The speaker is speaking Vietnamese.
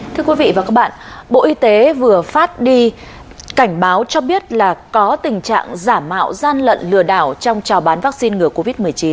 thưa quý vị và các bạn bộ y tế vừa phát đi cảnh báo cho biết là có tình trạng giả mạo gian lận lừa đảo trong trào bán vaccine ngừa covid một mươi chín